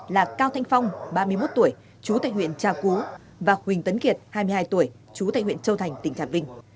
là cao thanh phong ba mươi một tuổi chú tại huyện trà cú và huỳnh tấn kiệt hai mươi hai tuổi chú tại huyện châu thành tỉnh trà vinh